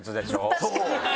そう！